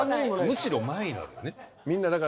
むしろ前になるよね。